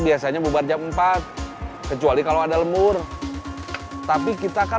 dia kayakkan pas forestsan